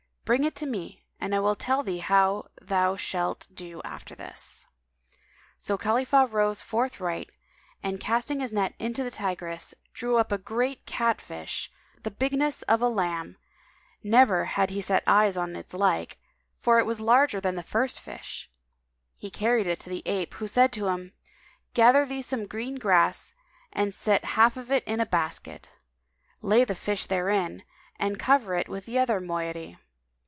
Bring it to me and I will tell thee how thou shalt do after this." So Khalifah rose forthright and casting his net into the Tigris, drew up a great cat fish [FN#197] the bigness of a lamb; never had he set eyes on its like, for it was larger than the first fish. He carried it to the ape, who said to him, "Gather thee some green grass and set half of it in a basket; lay the fish therein and cover it with the other moiety.